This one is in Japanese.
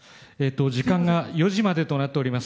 時間が４時までとなっております。